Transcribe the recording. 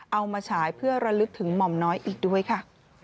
มาฉายเพื่อระลึกถึงหม่อมน้อยอีกด้วยค่ะ